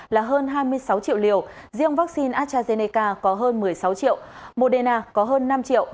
là hơn hai mươi sáu triệu liều riêng vaccine astrazeneca có hơn một mươi sáu triệu modena có hơn năm triệu